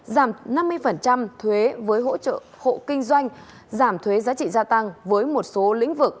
giảm năm mươi thuế với hỗ trợ hộ kinh doanh giảm thuế giá trị gia tăng với một số lĩnh vực